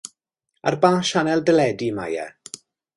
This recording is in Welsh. Ar ba sianel deledu mae e?